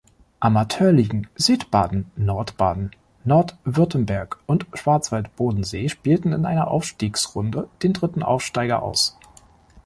Amateurligen: Südbaden, Nordbaden, Nordwürttemberg und Schwarzwald-Bodensee spielten in einer Aufstiegsrunde den dritten Aufsteiger aus.